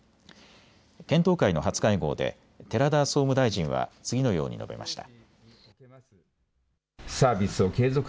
検討会の初会合で寺田総務大臣は次のように述べました。